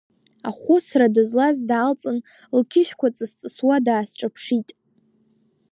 Ахәыцра дызлаз даалҵын, лқьышәқәа ҵысҵысуа даасҿаԥшит…